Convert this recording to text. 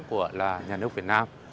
của là nhà nước việt nam